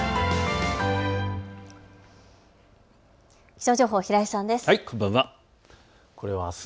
気象情報、平井さんです。